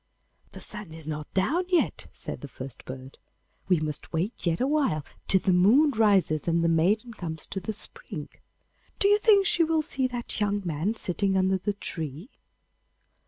'The sun is not down yet,' said the first bird; 'we must wait yet awhile till the moon rises and the maiden comes to the spring. Do you think she will see that young man sitting under the tree?